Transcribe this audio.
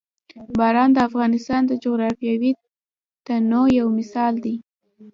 باران د افغانستان د جغرافیوي تنوع یو مثال دی.